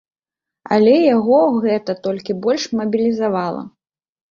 Але яго гэта толькі больш мабілізавала.